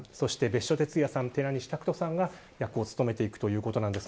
別所哲也さん、寺西拓人さんが役を務めていくということです。